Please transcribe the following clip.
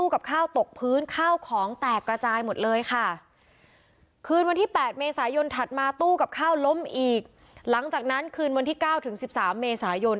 ข้าวล้มอีกหลังจากนั้นคืนวันที่๙๑๓เมษายน